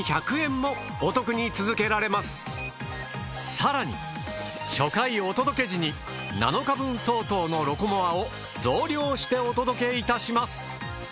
更に初回お届け時に７日分相当のロコモアを増量してお届けいたします。